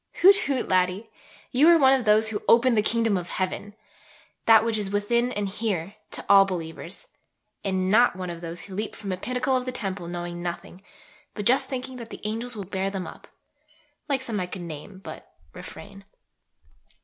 Hoot, hoot, laddie! you are one of those who "open the Kingdom of heaven" that which is "within" and here "to all believers"; and not one of those who leap from a pinnacle of the temple knowing nothing, but just thinking that the "angels will bear them up" like some I could name but refrain.